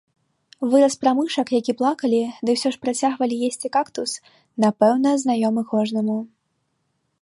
Выраз пра мышак, які плакалі, ды ўсё ж працягвалі есці кактус, напэўна, знаёмы кожнаму.